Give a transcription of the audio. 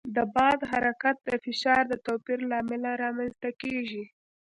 د باد حرکت د فشار د توپیر له امله رامنځته کېږي.